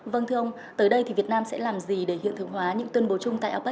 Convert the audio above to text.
vâng thưa ông tới đây thì việt nam sẽ làm gì để hiện thực hóa những tuyên bố chung tại ape